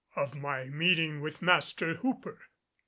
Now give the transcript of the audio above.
OF MY MEETING WITH MASTER HOOPER.